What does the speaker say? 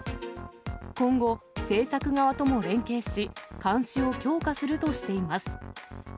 今後、製作側とも連携し、監視を強化するとしています。